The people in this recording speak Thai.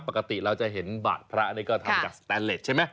ปกติเราจะเห็นบาทพระนี่ก็ทำจากสแตนเลสใช่ไหม